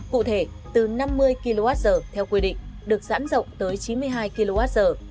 cụ thể từ năm mươi kwh theo quy định được giãn rộng tới chín mươi hai kwh